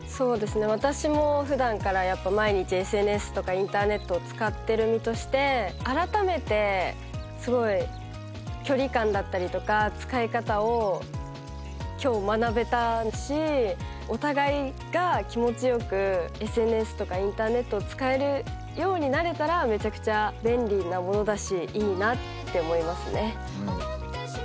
私もふだんからやっぱ毎日ＳＮＳとかインターネットを使ってる身としてあらためてすごい距離感だったりとか使い方を今日学べたしおたがいが気持ち良くＳＮＳとかインターネットを使えるようになれたらめちゃくちゃ便利なものだしいいなって思いますね。